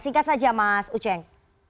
singkat saja mas ucheng